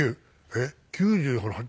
えっ９８？